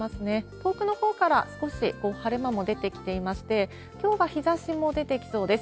遠くのほうから少し晴れ間も出てきていまして、きょうは日ざしも出てきそうです。